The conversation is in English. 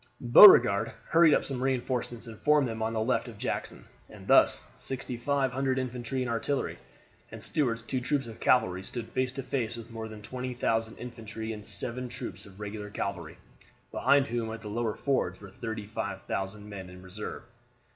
Beauregard hurried up some reinforcements and formed them on the left of Jackson, and thus 6,500 infantry and artillery, and Stuart's two troops of cavalry, stood face to face with more than 20,000 infantry and seven troops of regular cavalry, behind whom at the lower fords were 35,000 men in reserve.